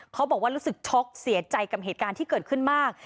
เขาบอกว่ารู้สึกช็อกเสียใจกับเหตุการณ์ที่เกิดขึ้นมาก